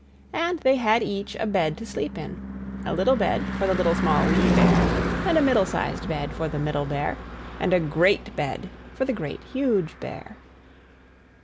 And they had each a bed to sleep in; a little bed for the Little, Small, Wee Bear; and a middle sized bed for the Middle Bear, and a great bed for the Great, Huge Bear.